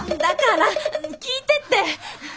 だから聞いてって！